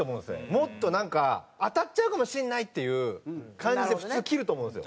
もっとなんか当たっちゃうかもしれない！っていう感じで普通切ると思うんですよ。